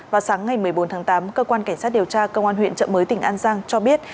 vào sáng ngày một mươi bốn tháng tám cơ quan cảnh sát điều tra cơ quan huyện trậm mới tỉnh an giang cho biết